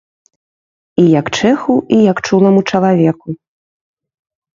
І як чэху, і як чуламу чалавеку.